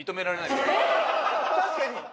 確かに。